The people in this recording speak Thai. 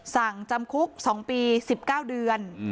สั่งจำคุก๒ปี๑๙เดือน